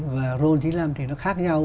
và roll chín mươi năm thì nó khác nhau